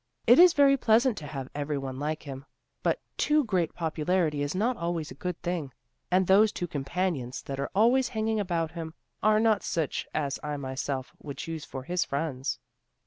It is very pleasant to have every one like him, but too great popularity is not always a good thing. And those two companions that are always hanging about him, are not such as I myself would choose for his friends."